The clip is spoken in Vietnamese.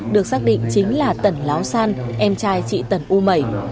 được xác định chính là tần láo san em trai chị tần u mẩy